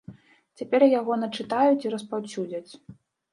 Цяпер яго начытаюць і распаўсюдзяць.